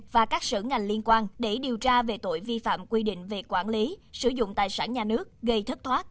và các sở ngành liên quan để điều tra về tội vi phạm quy định về quản lý sử dụng tài sản nhà nước gây thất thoát